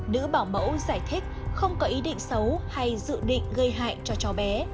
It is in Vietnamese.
nữ bảo mẫu giải thích không có ý định xấu hay dự định gây hại cho chó bé